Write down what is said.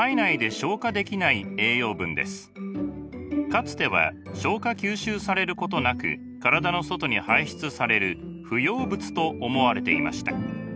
かつては消化吸収されることなく体の外に排出される不要物と思われていました。